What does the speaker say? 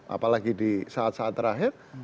apalagi di saat saat terakhir